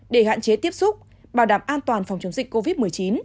để hạn chế tiếp xúc bảo đảm an toàn phòng chống dịch covid một mươi chín